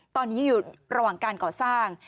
ตอนนี้อยู่ระหว่างการก่อสร้าง